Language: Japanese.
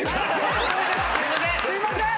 すいません！